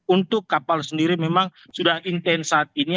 untuk kapal sendiri memang sudah intens saat ini